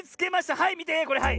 はいみてこれはい。